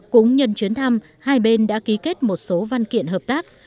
cũng nhân chuyến thăm hai bên đã ký kết một số văn kiện hợp tác